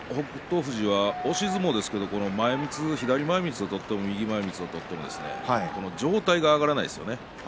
富士は押し相撲ですけれども左前みつを取っても右前みつを取っても上体が上がらないですよね。